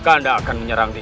kanda akan menyerang dinda